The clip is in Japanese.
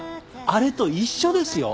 あれと一緒ですよ。